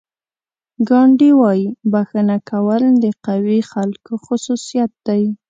ګاندي وایي بښنه کول د قوي خلکو خصوصیت دی.